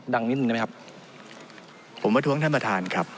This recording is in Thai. นิดนึงได้ไหมครับผมประท้วงท่านประธานครับ